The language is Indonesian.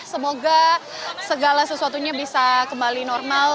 semoga segala sesuatunya bisa kembali normal